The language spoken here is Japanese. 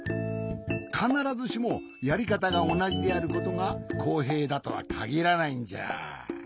かならずしもやりかたがおなじであることがこうへいだとはかぎらないんじゃ。